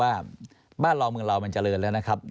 ว่าบ้านเราเมืองเรามันเจริญแล้วนะครับ